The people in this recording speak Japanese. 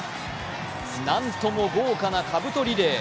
なんとも豪華なかぶとリレー。